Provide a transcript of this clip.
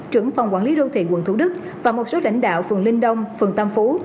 trưởng phòng quản lý đô thị quận thủ đức và một số lãnh đạo phường linh đông phường tam phú